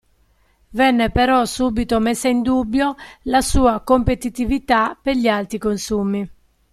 Venne però subito messa in dubbio la sua competitività per gli alti consumi.